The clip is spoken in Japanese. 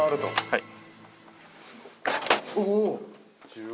はい。